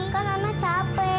kan ana capek